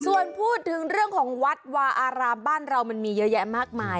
ส่วนพูดถึงเรื่องของวัดวาอารามบ้านเรามันมีเยอะแยะมากมาย